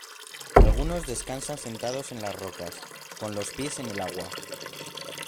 algunos descansan sentados en las rocas, con los pies en el agua: